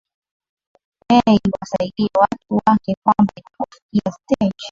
ee iwasaidie watu wake kwamba inapofikia stage